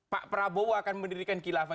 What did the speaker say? pak prabowo akan mendirikan kilafah